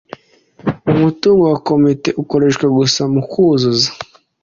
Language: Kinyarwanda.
umutungo wa komite ukoreshwa gusa mu kuzuza